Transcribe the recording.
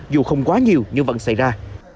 dù không quá nhiều nhưng vẫn xảy ra